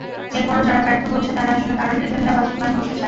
এরপরও যারা ব্যর্থ বলছে, তারা আসলে কারোর এজেন্ডা বাস্তবায়ন করতে চায়।